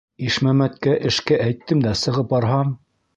Ишмәмәткә эшкә әйттем дә сығып барһам...